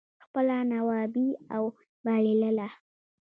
خپله نوابي اوبائلله